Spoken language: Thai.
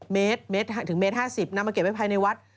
ถึงเมตร๕๐นำมาเก็บไว้ภายในวัด